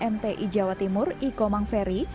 mti jawa timur iko mangferi